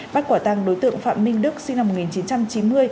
bắt quả tăng đối tượng phạm minh đức sinh năm một nghìn chín trăm chín mươi